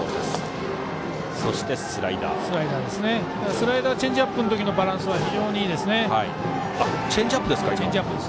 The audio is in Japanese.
スライダーチェンジアップの時のバランスは非常にいいですね。